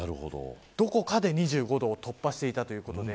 どこかで２５度を突破してたということで。